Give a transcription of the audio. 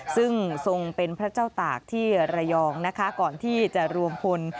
ซึ่งทรงเป็นพระเจ้าตากที่ระยองนะคะก่อนที่จะรวมพล